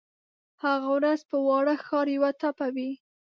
هغه ورځ به واړه ښار یوه ټپه وي